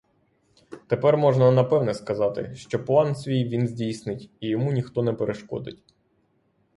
Тепер можна напевне сказати, що план свій він здійснить, і йому ніхто не перешкодить.